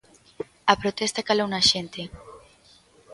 A protesta calou na xente.